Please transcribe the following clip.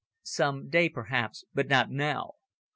"Some day, perhaps; but not now.